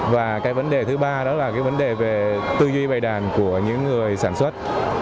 và cái vấn đề thứ ba đó là cái vấn đề về tư duy về đàn của những người sản xuất